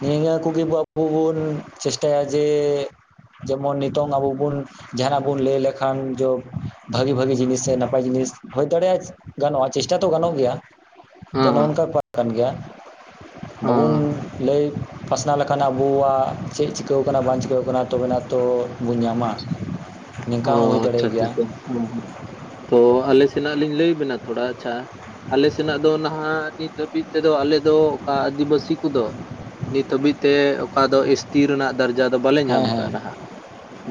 ᱱᱤᱭᱟᱹ ᱠᱚᱜᱮ ᱟᱵᱩ ᱵᱚᱱ ᱪᱮᱥᱴᱟᱭᱟ ᱡᱮ ᱡᱮᱢᱚᱱ ᱱᱤᱛᱚᱝ ᱟᱵᱚ ᱵᱚᱱ ᱡᱟᱦᱟᱱᱟᱜ ᱵᱚᱱ ᱞᱟᱹᱭ ᱞᱮᱠᱷᱟᱱ ᱡᱚ ᱵᱷᱟᱹᱜᱤ ᱵᱷᱟᱹᱜᱤ ᱡᱤᱱᱤᱥ ᱥᱮ ᱱᱟᱯᱟᱭ ᱡᱤᱱᱤᱥ ᱦᱩᱭ ᱫᱟᱲᱮᱭᱟᱜᱼᱟ ᱜᱟᱱᱚᱜᱼᱟ ᱪᱮᱥᱴᱟ ᱛᱚ ᱜᱟᱱᱚᱜ ᱜᱮᱭᱟ ᱛᱚ ᱦᱮᱸ ᱱᱚᱝᱱᱠᱟ ᱯᱟᱴᱷ ᱠᱟᱱ ᱜᱮᱭᱟ, ᱦᱮᱸ ᱵᱟᱵᱩᱱ ᱞᱟᱹᱭ ᱯᱟᱥᱱᱟᱣ ᱞᱮᱠᱷᱟᱱ ᱟᱵᱩᱣᱟᱜ ᱪᱮᱫ ᱪᱤᱠᱟᱹᱣ ᱠᱟᱱᱟ ᱵᱟᱝ ᱪᱤᱠᱟᱹᱣ ᱠᱟᱱᱟ ᱛᱚᱵᱮᱱᱟ ᱛᱚ ᱵᱚᱱ ᱧᱟᱢᱟ᱾ ᱚ ᱱᱤᱝᱠᱟ ᱦᱚᱸ ᱦᱩᱭ ᱟᱪᱪᱷᱟ ᱫᱟᱲᱮᱭᱟᱜ ᱟᱪᱪᱷᱟ ᱟᱪᱷᱟ ᱜᱮᱭᱟ ᱦᱮ ᱦᱮᱸ ᱛᱚ ᱟᱞᱮ ᱥᱮᱱᱟᱜ ᱞᱤᱧ ᱞᱟᱹᱭᱵᱤᱱᱟ ᱛᱷᱚᱲᱟ ᱟᱪᱪᱷᱟ ᱟᱞᱮ ᱥᱮᱱᱟᱜ ᱫᱚ ᱱᱟᱦᱟᱜ ᱱᱤᱛ ᱦᱟᱹᱵᱤᱡ ᱛᱮᱫᱚ ᱟᱞᱮ ᱫᱚ ᱚᱠᱟ ᱟᱹᱫᱤᱵᱟᱹᱥᱤ ᱠᱚᱫᱚ ᱱᱤᱛ ᱦᱟᱹᱵᱤᱡ ᱛᱮ ᱚᱠᱟ ᱫᱚ ᱮᱥ ᱴᱤ ᱨᱮᱱᱟᱜ ᱫᱟᱨᱡᱟ ᱫᱚ ᱵᱟᱞᱮ ᱦᱮᱸ ᱧᱟᱢ ᱦᱮᱸ ᱟᱠᱟᱜᱼᱟ ᱱᱟᱦᱟᱜ,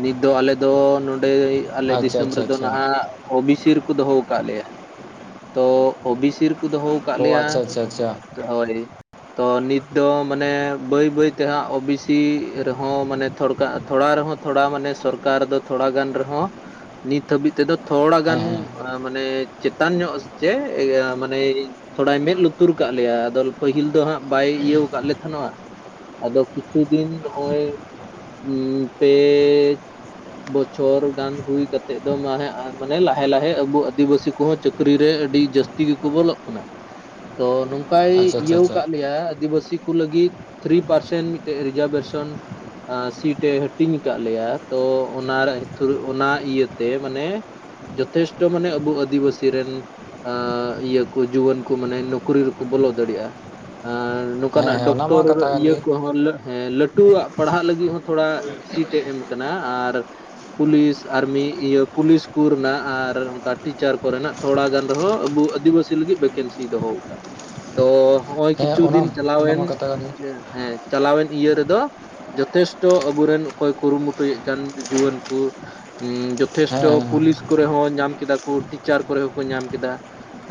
ᱱᱤᱛ ᱫᱚ ᱟᱞᱮ ᱫᱚ ᱱᱚᱱᱰᱮ ᱟᱞᱮ ᱟᱪᱪᱷᱟ ᱫᱤᱥᱚᱢ ᱟᱪᱪᱷᱟ ᱨᱮᱫᱚ ᱟᱪᱪᱷᱟ ᱱᱟᱦᱟᱜ ᱳᱵᱤᱥᱤ ᱨᱮᱠᱚ ᱫᱚᱦᱚ ᱟᱠᱟᱫ ᱞᱮᱭᱟ ᱾ ᱛᱚ ᱳᱵᱤᱥᱤ ᱨᱮᱠᱚ ᱫᱚᱦᱚ ᱠᱟᱜ ᱚ ᱞᱮᱭᱟ ᱟᱪᱪᱷᱟ ᱟᱪᱪᱷᱟ ᱟᱪᱪᱷᱟ ᱾ ᱦᱳᱭ ᱛᱚ ᱱᱤᱛ ᱫᱚ ᱢᱟᱱᱮ ᱵᱟᱹᱭ ᱵᱟᱹᱭ ᱛᱮ ᱦᱟᱸᱜ ᱳᱵᱤᱥᱤ ᱨᱮᱦᱚᱸ ᱢᱟᱱᱮ ᱛᱷᱚᱲᱠᱟᱜᱼᱟ ᱛᱷᱚᱲᱟ ᱨᱮᱦᱚᱸ ᱛᱷᱚᱲᱟ ᱢᱟᱱᱮ ᱥᱚᱨᱠᱟᱨ ᱫᱚ ᱛᱷᱚᱲᱟ ᱜᱟᱱ ᱨᱮᱦᱚᱸ ᱱᱤᱛ ᱦᱟᱹᱵᱤᱡ ᱛᱮᱫᱚ ᱛᱷᱚᱲᱟ ᱦᱮᱸ ᱜᱟᱱ ᱦᱮᱸ ᱢᱟᱱᱮ ᱪᱮᱛᱟᱱ ᱧᱚᱜ ᱪᱮ ᱤᱭᱟᱹ ᱢᱟᱱᱮ ᱛᱷᱚᱲᱟᱭ ᱢᱮᱫᱽ ᱞᱩᱛᱩᱨ ᱠᱟᱜ ᱞᱮᱭᱟ ᱟᱫᱚ ᱯᱟᱹᱦᱤᱞ ᱫᱚ ᱦᱟᱸᱜ ᱵᱟᱭ ᱤᱭᱟᱹᱣ ᱟᱠᱟᱜ ᱞᱮ ᱛᱟᱦᱮᱱᱚᱜᱼᱟ ᱟᱫᱚ ᱠᱤᱪᱷᱩ ᱫᱤᱱ ᱱᱚᱜᱼᱚᱭ ᱯᱮ ᱵᱚᱪᱷᱚᱨ ᱜᱟᱱ ᱦᱩᱭ ᱠᱟᱛᱮᱜ ᱫᱚ ᱢᱟᱱᱮ ᱞᱟᱦᱮ ᱞᱟᱦᱮ ᱟᱵᱚ ᱟᱹᱫᱤᱵᱟᱹᱥᱤ ᱠᱚᱦᱚᱸ ᱪᱟᱹᱠᱨᱤ ᱨᱮ ᱟᱹᱰᱤ ᱡᱟᱹᱥᱛᱤ ᱛᱤᱜᱤ ᱠᱚ ᱵᱚᱞᱚᱜ ᱠᱟᱱᱟ ᱛᱚ ᱱᱚᱝᱠᱟᱭ ᱟᱪᱪᱷᱟ ᱟᱪᱪᱷᱟ ᱤᱭᱟᱹᱣ ᱟᱪᱪᱷᱟ ᱟᱠᱟᱫ ᱞᱮᱭᱟ ᱟᱹᱫᱤᱵᱟᱹᱥᱤ ᱠᱩ ᱞᱟᱹᱜᱤᱫ ᱛᱷᱨᱤ ᱯᱟᱨᱥᱮᱱ ᱢᱤᱫᱴᱮᱡ ᱨᱤᱡᱟᱨᱵᱷᱮᱥᱚᱱ ᱥᱤᱴ ᱮ ᱦᱟᱹᱴᱤᱧ ᱟᱠᱟᱫ ᱞᱮᱭᱟ ᱛᱚ ᱚᱱᱟ ᱨᱮ ᱚᱱᱟ ᱤᱭᱟᱹᱛᱮ ᱢᱟᱱᱮ ᱡᱚᱛᱷᱮᱥᱴᱚ ᱢᱟᱱᱮ ᱟᱵᱚ ᱟᱹᱫᱤᱵᱟᱹᱥᱤ ᱨᱮᱱ ᱟᱻ ᱤᱭᱟᱹ ᱠᱩ ᱡᱩᱣᱟᱹᱱ ᱠᱩ ᱢᱟᱱᱮ ᱱᱚᱠᱨᱤ ᱨᱮᱠᱚ ᱵᱚᱞᱚ ᱫᱟᱲᱮᱭᱟᱜᱼᱟ ᱟᱨ ᱦᱮᱸ ᱚᱱᱠᱟᱱᱟᱜ ᱦᱮᱸ ᱚᱱᱟ ᱢᱟ ᱰᱚᱠᱴᱚᱨ ᱠᱟᱛᱷᱟ ᱠᱟᱱ ᱤᱭᱟᱹ ᱜᱮ ᱠᱚᱦᱚᱸ ᱦᱮᱸ ᱞᱟᱹᱴᱩᱣᱟᱜ ᱯᱟᱲᱦᱟᱜ ᱞᱟᱹᱜᱤᱫ ᱦᱚᱸ ᱛᱷᱚᱲᱟ ᱥᱤᱴ ᱮ ᱮᱢ ᱠᱟᱱᱟ ᱟᱨ ᱯᱩᱞᱤᱥ ᱟᱨᱢᱤ ᱤᱭᱟᱹ ᱯᱩᱞᱤᱥ ᱠᱩ ᱨᱮᱱᱟᱜ ᱟᱨ ᱚᱱᱠᱟ ᱴᱤᱪᱟᱨ ᱠᱚᱨᱮᱱᱟᱜ ᱛᱷᱚᱲᱟ ᱜᱟᱱ ᱨᱮᱦᱚᱸ ᱟᱵᱚ ᱟᱹᱫᱤᱵᱟᱹᱥᱤ ᱞᱟᱹᱜᱤᱫ ᱵᱷᱮᱠᱮᱱᱥᱤᱭ ᱫᱚᱦᱚ ᱟᱠᱟᱜᱼᱟ ᱛᱚ ᱱᱚᱜᱼᱚᱭ ᱦᱮᱸ ᱠᱤᱪᱷᱩ ᱚᱱᱟ ᱫᱤᱱ ᱚᱱᱟ ᱪᱟᱞᱟᱣᱮᱱ ᱢᱟ ᱠᱟᱛᱷᱟ ᱠᱟᱱ ᱜᱮ ᱦᱮᱸ ᱪᱟᱞᱟᱣᱮᱱ ᱤᱭᱟᱹ ᱨᱮᱫᱚ ᱡᱚᱛᱷᱮᱥᱴᱚ ᱟᱵᱚᱨᱮᱱ ᱚᱠᱚᱭ ᱠᱩᱨᱩᱢᱩᱴᱩᱭᱮᱫ ᱠᱟᱱ ᱡᱩᱣᱟᱹᱱ ᱠᱚ ᱦᱮᱸ ᱡᱚᱛᱮᱥᱴᱷᱚ ᱦᱮᱸ ᱯᱩᱞᱤᱥ ᱠᱚᱨᱮ ᱦᱚᱸ ᱧᱟᱢ ᱠᱮᱫᱟ ᱠᱚ, ᱴᱤᱪᱟᱨ ᱠᱚᱨᱮ ᱦᱚᱸᱠᱚ ᱧᱟᱢ ᱠᱮᱫᱟ,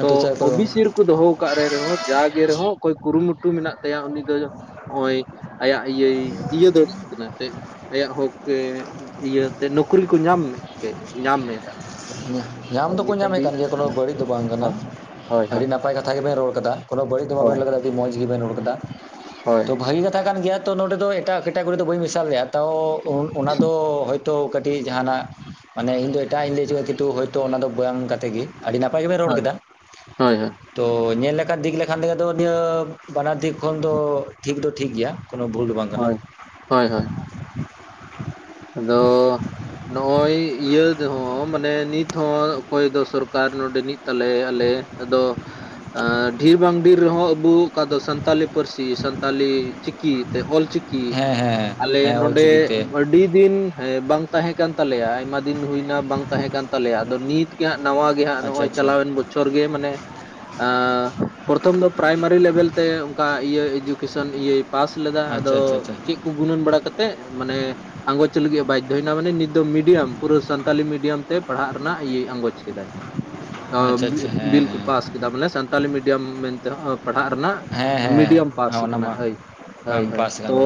ᱛᱚ ᱚ ᱵᱤ ᱥᱤ ᱨᱮᱼ ᱠᱚ ᱫᱚᱦᱚ ᱟᱠᱟᱫ ᱨᱮ ᱨᱮᱦᱚᱸ ᱡᱟᱜᱮ ᱨᱮᱦᱚᱸ ᱚᱠᱚᱭ ᱠᱩᱨᱩᱢᱩᱴᱩ ᱢᱮᱱᱟᱜ ᱛᱟᱭᱟ ᱩᱱᱤ ᱫᱚ ᱦᱚᱜᱼᱚᱭ ᱟᱭᱟᱜ ᱤᱭᱟᱹᱭ ᱤᱭᱟᱹ ᱫᱟᱲᱮᱜ ᱠᱟᱱᱟ ᱮᱱᱛᱮ ᱟᱭᱟᱜ ᱦᱚᱠᱛᱮ ᱤᱭᱟᱹ ᱱᱚᱠᱨᱤ ᱠᱚ ᱧᱟᱢᱮᱫ ᱛᱮ ᱧᱟᱢᱮᱫᱟ ᱧᱟᱢ ᱫᱚᱠᱚ ᱧᱟᱢᱮᱫ ᱠᱟᱱ ᱜᱮᱭᱟ ᱠᱳᱱᱳ ᱦᱮᱸ ᱵᱟᱹᱲᱤᱡ ᱫᱚ ᱵᱟᱝ ᱠᱟᱱᱟ ᱦᱳᱭ ᱦᱳᱭ ᱾ ᱟᱹᱰᱤ ᱦᱳᱭ ᱱᱟᱯᱟᱭ ᱠᱟᱛᱷᱟ ᱠᱟᱛᱷᱟ ᱜᱮᱵᱮᱱ ᱨᱚᱲ ᱠᱟᱫᱟ ᱠᱳᱱᱳ ᱵᱟᱹᱲᱤᱡ ᱫᱚ ᱵᱟᱵᱮᱱ ᱦᱳᱭ ᱞᱟᱹᱭᱫᱟ ᱢᱚᱡᱽ ᱜᱮᱵᱮᱱ ᱨᱚᱲ ᱟᱠᱟᱫᱟ ᱦᱳᱭ ᱛᱚ ᱵᱷᱟᱹᱜᱤ ᱠᱟᱛᱷᱟ ᱠᱟᱱ ᱜᱮᱭᱟ ᱾ ᱛ ᱱᱚᱰᱮ ᱫᱚ ᱮᱴᱟᱜ ᱠᱮᱴᱟᱜᱚᱨᱤ ᱫᱚ ᱵᱟᱹᱧ ᱢᱮᱥᱟᱞ ᱞᱮᱜᱼᱟ ᱾ ᱛᱚ ᱚᱱᱟ ᱫᱚ ᱛᱚ ᱠᱟᱹᱴᱤᱡ ᱡᱟᱦᱟᱱᱟᱜ ᱢᱟᱱᱮ ᱤᱧ ᱫᱚ ᱮᱴᱟᱜ ᱤᱧ ᱞᱟᱹᱭ ᱚᱪᱚ ᱠᱤᱱᱛᱩ ᱦᱳᱭᱛᱚ ᱚᱱᱟ ᱫᱚ ᱵᱟᱝ ᱠᱟᱛᱮ ᱜᱮ ᱾ ᱟᱹᱰᱤ ᱱᱟᱯᱟᱭ ᱜᱮᱵᱮᱱ ᱨᱚᱲ ᱠᱮᱫᱟ ᱦᱳᱭ ᱦᱳᱭ ᱾ ᱛᱚ ᱧᱮᱞ ᱞᱮᱠᱷᱟᱱ ᱫᱤᱠ ᱞᱮᱠᱷᱟᱱ ᱛᱮᱜᱮ ᱱᱤᱭᱟᱹ ᱵᱟᱱᱟᱨ ᱫᱤᱠ ᱠᱷᱚᱱ ᱫᱚ ᱴᱷᱤᱠ ᱫᱚ ᱴᱷᱤᱠ ᱜᱮᱭᱟ ᱾ ᱠᱳᱱᱳ ᱵᱷᱩᱞ ᱫᱚ ᱵᱟᱝ ᱠᱟᱱᱟ ᱦᱳᱭ ᱾ ᱦᱳᱭ ᱦᱳᱭ ᱟᱫᱚ ᱱᱚᱜᱼᱚᱭ ᱤᱭᱟᱹ ᱨᱮᱦᱚᱸ ᱢᱟᱱᱮ ᱱᱤᱛ ᱦᱚᱸ ᱚᱠᱚᱭ ᱫᱚ ᱥᱚᱨᱠᱟᱨ ᱱᱚᱰᱮᱱᱤᱡ ᱛᱟᱞᱮ ᱟᱞᱮ ᱟᱫᱚ ᱰᱷᱤᱨ ᱵᱟᱝ ᱰᱷᱤᱨ ᱨᱮᱦᱚᱸ ᱟᱵᱚ ᱚᱠᱟ ᱫᱚ ᱥᱟᱱᱛᱟᱞᱤ ᱯᱟᱹᱨᱥᱤ ᱥᱟᱱᱛᱟᱞᱤ ᱪᱤᱠᱤ ᱛᱮ ᱚᱞᱪᱤᱠᱤ ᱼᱠᱤ ᱦᱮᱸ ᱦᱮᱸ ᱟᱞᱮ ᱦᱮᱸ ᱱᱚᱰᱮ ᱚᱞᱪᱤᱠᱤᱛᱮ ᱟᱹᱰᱤ ᱫᱤᱱ ᱦᱮᱸ ᱵᱟᱝ ᱛᱟᱦᱮᱸ ᱠᱟᱱ ᱛᱟᱞᱮᱭᱟ ᱟᱭᱢᱟ ᱫᱤᱱ ᱦᱩᱭᱱᱟ ᱵᱟᱝ ᱛᱟᱦᱮᱸ ᱠᱟᱱ ᱛᱟᱞᱮᱭᱟ ᱟᱫᱚ ᱱᱤᱛ ᱱᱟᱣᱟ ᱜᱮ ᱦᱟᱸᱜ ᱟᱪᱪᱷᱟ ᱱᱚᱜᱼᱚᱭ ᱟᱪᱪᱷᱟ ᱪᱟᱞᱟᱣᱮᱱ ᱵᱚᱪᱷᱚᱨ ᱜᱮ ᱢᱟᱱᱮ ᱯᱨᱚᱛᱷᱚᱢ ᱫᱚ ᱯᱨᱟᱭᱢᱟᱨᱤ ᱞᱮᱵᱮᱞ ᱛᱮ ᱚᱱᱠᱟ ᱤᱭᱟᱹ ᱮᱡᱩᱠᱮᱥᱚᱱ ᱤᱭᱟᱹ ᱯᱟᱥ ᱞᱮᱫᱟ ᱟᱫᱚ ᱟᱪᱪᱷᱟ ᱟᱪᱪᱷᱟ ᱟᱪᱪᱷᱟ ᱪᱮᱫ ᱠᱚ ᱜᱩᱱᱟᱹᱱ ᱵᱟᱲᱟ ᱠᱟᱛᱮᱫ ᱢᱟᱱᱮ ᱟᱸᱜᱚᱪ ᱞᱟᱹᱜᱤᱫ ᱮ ᱵᱟᱫᱽᱫᱷᱚᱭᱮᱱᱟ ᱾ ᱢᱟᱱᱮ ᱱᱤᱛ ᱫᱚ ᱢᱤᱰᱤᱭᱟᱢ ᱯᱩᱨᱟᱹ ᱥᱟᱱᱛᱟᱞᱤ ᱢᱤᱰᱤᱭᱟᱢ ᱛᱮ ᱯᱟᱲᱦᱟᱜ ᱨᱮᱱᱟᱜ ᱤᱭᱟᱹ ᱟᱸᱜᱚᱪ ᱠᱮᱫᱟᱭ ᱟᱪᱪᱷᱟ ᱟᱪᱪᱷᱟ ᱦᱮᱸ ᱵᱤᱞ ᱠᱚ ᱦᱮᱸ ᱯᱟᱥ ᱠᱮᱫᱟ ᱢᱟᱱᱮ ᱥᱟᱱᱛᱟᱞᱤ ᱢᱤᱰᱤᱭᱟᱢ ᱢᱮᱱᱛᱮ ᱯᱟᱲᱦᱟᱜ ᱨᱮᱱᱟᱜ ᱦᱮᱸ ᱦᱮᱸ ᱢᱤᱰᱤᱭᱟᱢ ᱯᱟᱥ ᱦᱮᱸ ᱚᱱᱟ ᱠᱟᱱᱟ ᱢᱟ ᱾ ᱦᱳᱭ ᱦᱳᱭ ᱵᱟᱢ ᱦᱳᱭ ᱯᱟᱥ ᱛᱚ ᱠᱟᱱᱟ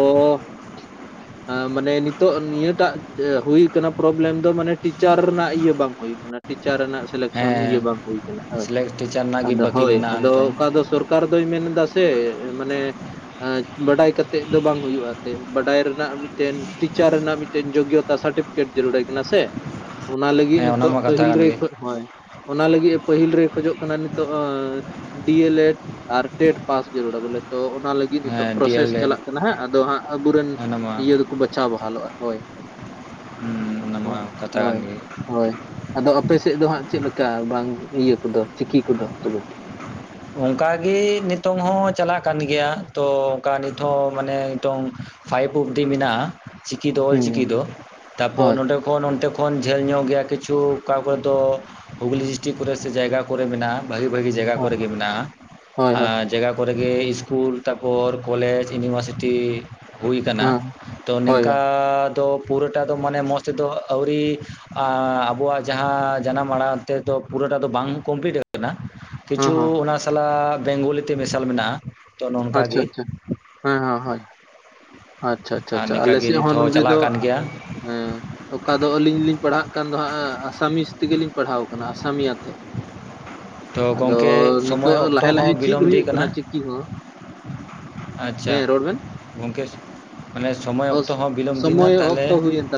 ᱢᱟᱱᱮ ᱱᱤᱛ ᱱᱤᱛᱚᱜ ᱱᱤᱭᱟᱹᱴᱟᱜ ᱦᱩᱭ ᱟᱠᱟᱱᱟ ᱯᱨᱚᱵᱞᱮᱢ ᱫᱚ ᱢᱟᱱᱮ ᱴᱤᱪᱟᱨ ᱨᱮᱱᱟᱜ ᱤᱭᱟᱹ ᱵᱟᱝ ᱦᱩᱭᱩᱜ ᱟᱠᱟᱱᱟ ᱴᱤᱪᱟᱨ ᱨᱮᱱᱟᱜ ᱥᱤᱞᱮᱠᱥᱚᱱ ᱤᱭᱟᱹ ᱦᱮᱸ ᱵᱟᱝ ᱦᱩᱭ ᱟᱠᱟᱱᱟ ᱦᱳᱭ ᱥᱤᱞᱮᱠᱥ ᱴᱤᱪᱟᱨ ᱨᱮᱱᱟᱜ ᱜᱮ ᱟᱫᱚ ᱵᱟᱹᱠᱤ ᱦᱳᱭ ᱢᱮᱱᱟᱜᱼᱟ ᱟᱫᱚ ᱱᱤᱛᱚᱝ ᱚᱠᱟ ᱫᱚ ᱥᱚᱨᱠᱟᱨ ᱼᱠᱟᱨ ᱫᱚᱭ ᱢᱮᱱᱫᱟ ᱥᱮ ᱢᱟᱱᱮ ᱵᱟᱰᱟᱭ ᱠᱟᱛᱮᱜ ᱫᱚ ᱵᱟᱝ ᱦᱩᱭᱩᱜᱼᱟ ᱛᱮ ᱵᱟᱰᱟᱭ ᱨᱮᱱᱟᱜ ᱢᱤᱫᱴᱮᱱ ᱴᱤᱪᱟᱨ ᱨᱮᱱᱟᱜ ᱢᱤᱫᱴᱮᱱ ᱡᱳᱜᱚᱛᱟ ᱥᱟᱨᱴᱤᱯᱷᱤᱠᱮᱴ ᱡᱟᱹᱨᱩᱲ ᱟᱭ ᱠᱟᱱᱟ ᱥᱮ? ᱚᱱᱟ ᱞᱟᱹᱜᱤᱫ ᱦᱮᱸ ᱱᱤᱛᱚᱜ ᱚᱱᱟᱢᱟ ᱠᱟᱛᱷᱟ ᱯᱟᱹᱦᱤᱞ ᱠᱟᱱ ᱨᱮ ᱜᱮ ᱦᱳᱭ, ᱚᱱᱟ ᱞᱟᱹᱜᱤᱫ ᱮ ᱯᱟᱹᱦᱤᱞ ᱨᱮ ᱠᱷᱚᱡᱚᱜ ᱠᱟᱱᱟ ᱱᱤᱛᱚᱜ ᱰᱤ ᱮᱞ ᱮᱰ ᱟᱨ ᱴᱮᱹᱰ ᱯᱟᱥ ᱡᱟᱹᱨᱩᱲᱟ ᱵᱚᱞᱮ ᱛᱚ ᱚᱱᱟ ᱞᱟᱹᱜᱤᱫ ᱱᱤᱛᱚᱜ ᱦᱮᱸ ᱰᱤ ᱯᱨᱚᱥᱮᱥ ᱮᱞ ᱮᱰ ᱪᱟᱞᱟᱜ ᱠᱟᱱᱟ ᱦᱟᱸᱜ ᱟᱫᱚ ᱦᱟᱸᱜ ᱟᱵᱚᱨᱮᱱ ᱚᱱᱟᱢᱟ ᱤᱭᱟᱹ ᱫᱚᱠᱚ ᱵᱟᱪᱷᱟᱣ ᱵᱟᱦᱟᱞᱚᱜᱼᱟ ᱦᱳᱭ ᱚᱱᱟᱢᱟ ᱦᱳᱭ ᱠᱟᱛᱷᱟ ᱠᱟᱱ ᱦᱳᱭ ᱜᱮ ᱦᱳᱭ ᱦᱳᱭ ᱟᱫᱚ ᱟᱯᱮ ᱥᱮᱫ ᱫᱚ ᱦᱟᱸᱜ ᱪᱮᱫ ᱞᱮᱠᱟ ᱵᱟᱝ ᱤᱭᱟᱹ ᱠᱚᱫᱚ ᱪᱤᱠᱤ ᱠᱚᱫᱚ ᱛᱚᱵᱮ? ᱚᱱᱠᱟ ᱜᱮ ᱱᱤᱛᱚᱝ ᱦᱚᱸ ᱪᱟᱞᱟᱜ ᱠᱟᱱ ᱜᱮᱭᱟ ᱛᱚ ᱚᱱᱠᱟ ᱱᱤᱛ ᱦᱚᱸ ᱢᱟᱱᱮ ᱱᱤᱛᱚᱝ, ᱯᱷᱟᱭᱤᱵ ᱚᱵᱽᱫᱤ ᱢᱮᱱᱟᱜᱼᱟ ᱪᱤᱠᱤ ᱫᱚ ᱚᱞ ᱦᱩᱸ ᱪᱤᱠᱤ ᱫᱚ ᱦᱳᱭ ᱛᱟᱯᱚᱨ ᱱᱚᱸᱰᱮ ᱛᱚᱠᱷᱚᱱ ᱚᱱᱛᱮ ᱠᱷᱚᱱ ᱡᱷᱟᱹᱞ ᱧᱚᱜ ᱜᱮᱭᱟ ᱠᱤᱪᱷᱩ ᱚᱠᱟ ᱠᱚᱨᱮ ᱫᱚ ᱦᱩᱜᱽᱞᱤ ᱰᱤᱥᱴᱤᱠ ᱠᱚᱨᱮ ᱥᱮ ᱡᱟᱭᱜᱟ ᱠᱚᱨᱮ ᱢᱮᱱᱟᱜᱼᱟ, ᱵᱷᱟᱹᱜᱤ ᱵᱷᱟᱹᱜᱤ ᱡᱟᱭᱜᱟ ᱠᱚᱨᱮ ᱜᱮ ᱢᱮᱱᱟᱜᱼᱟ, ᱦᱳᱭ, ᱦᱳᱭ, ᱟᱨ ᱡᱟᱜᱟ ᱠᱚᱨᱮ ᱜᱮ ᱤᱥᱠᱩᱞ ᱛᱟᱯᱚᱨ ᱠᱚᱞᱮᱡᱽ, ᱤᱭᱩᱱᱤᱵᱷᱟᱨᱥᱤᱴᱤ ᱦᱩᱭ ᱠᱟᱱᱟ, ᱦᱮᱸ, ᱛᱚ ᱦᱳᱭ, ᱦᱳᱭ, ᱱᱤᱝᱠᱟ ᱫᱚ ᱯᱩᱨᱟᱹᱴᱟ ᱫᱚ ᱢᱟᱱᱮ ᱢᱚᱡᱽ ᱛᱮᱫᱚ ᱟᱣᱨᱤ ᱟ ᱟᱵᱚᱣᱟᱜ ᱡᱟᱦᱟᱸ ᱡᱟᱱᱟᱢ ᱟᱲᱟᱝ ᱛᱮᱫᱚ ᱯᱩᱨᱟᱹᱴᱟ ᱫᱚ ᱵᱟᱝ ᱠᱚᱢᱯᱞᱤᱴ ᱟᱠᱟᱱᱟ᱾ ᱦᱮᱸ, ᱠᱤᱪᱷᱩ ᱦᱮᱸ, ᱚᱱᱟ ᱥᱟᱞᱟᱜ ᱵᱮᱝᱜᱚᱞᱤ ᱛᱮ ᱢᱮᱥᱟᱞ ᱢᱮᱱᱟᱜᱼᱟ᱾ ᱛᱚ ᱱᱚᱝᱠᱟ ᱟᱪᱪᱷᱟ ᱜᱮ ᱟᱪᱪᱷᱟ ᱦᱮᱸ ᱦᱮᱸ ᱦᱳᱭ᱾ ᱟᱪᱪᱷᱟ ᱟᱪᱪᱷᱟ ᱟᱨ ᱟᱪᱪᱷᱟ ᱱᱤᱝᱠᱟ ᱟᱞᱮ ᱜᱮ ᱥᱮᱫ ᱱᱤᱛ ᱦᱚᱸ ᱱᱚᱸᱰᱮ ᱪᱟᱞᱟᱜ ᱫᱚ, ᱠᱟᱱ ᱜᱮᱭᱟ ᱦᱮᱸ ᱚᱠᱟ ᱫᱚ ᱟᱹᱞᱤᱧ ᱞᱤᱧ ᱯᱟᱲᱦᱟᱜ ᱠᱟᱱ ᱫᱚ ᱦᱟᱸᱜ ᱟᱥᱟᱢᱤᱥ ᱛᱮᱜᱮ ᱞᱤᱧ ᱯᱟᱲᱦᱟᱣ ᱠᱟᱱᱟ ᱟᱥᱟᱢᱤᱭᱟ ᱛᱮ᱾ ᱛᱚ ᱟᱫᱚ ᱜᱚᱢᱠᱮ ᱥᱚᱢᱚᱭ ᱱᱤᱛᱳᱜ ᱚᱠᱛᱚ ᱞᱟᱦᱮ ᱦᱚᱸ ᱞᱟᱦᱤ ᱪᱤᱫ ᱵᱤᱞᱚᱢ ᱤᱫᱤᱜ ᱦᱩᱭᱩᱜ ᱠᱟᱱᱟ ᱪᱤ ᱠᱤ ᱦᱚᱸ, ᱟᱪᱪᱷᱟ ᱦᱮᱸ ᱨᱚᱲ ᱵᱮᱱ? ᱜᱚᱝᱠᱮ ᱢᱟᱱᱮ ᱥᱚᱢᱚᱭ ᱚᱥ ᱚᱠᱛᱚ ᱦᱚᱸ ᱵᱤᱞᱚᱢ ᱫᱤᱱᱟ ᱥᱚᱢᱚᱭ ᱛᱟᱦᱚᱞᱮ, ᱚᱠᱛᱚ ᱦᱩᱭᱮᱱ ᱛᱟᱵᱮᱱᱟ᱾